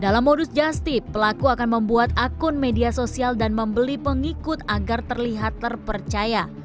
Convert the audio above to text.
dalam modus just tip pelaku akan membuat akun media sosial dan membeli pengikut agar terlihat terpercaya